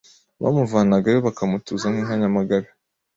bamuvanagayo bakamutuza nka Nyamagabe